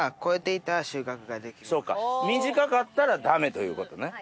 そうか短かったらダメということね。